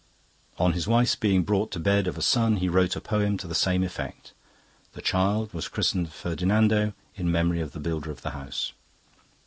On his wife's being brought to bed of a son he wrote a poem to the same effect. The child was christened Ferdinando in memory of the builder of the house.